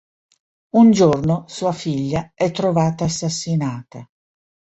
Un giorno sua figlia è trovata assassinata.